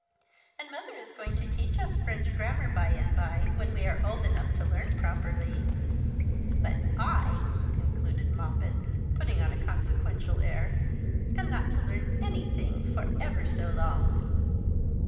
And mother is going to teach us French grammar by and by, when we are old enough to learn properly. But I," concluded Moppet, putting on a consequential air, " am not to learn anything for ever so long."